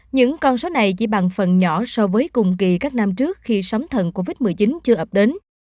những con số này chỉ bằng phần nhỏ so với cùng kỳ các năm trước khi sóng thần covid một mươi chín chưa ập đến